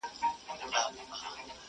زولنې د زندانونو به ماتیږي؛